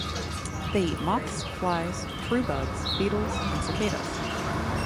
They eat moths, flies, true bugs, beetles, and cicadas.